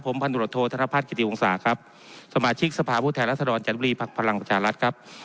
พันธุรกิจโทษธนพัฒนกิติวงศาครับสมาชิกสภาพผู้แทนรัศดรจันรีภักดิ์พลังประชารัฐครับ